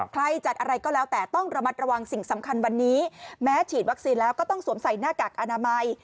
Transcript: ใครจัดอะไรก็แล้วแต่ต้องระมัดระวังสิ่งสำคัญวันนี้แม้ฉีดวัคซีนแล้วก็ต้องสวมใส่หน้ากากอนามัย